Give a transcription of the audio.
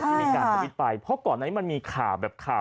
ที่มีการสบิตไปเพราะก่อนนั้นมันมีข่าวแบบ